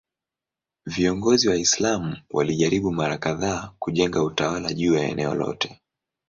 Viongozi Waislamu walijaribu mara kadhaa kujenga utawala juu ya eneo lote.